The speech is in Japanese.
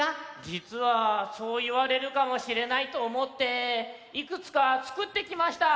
じつはそういわれるかもしれないとおもっていくつかつくってきました。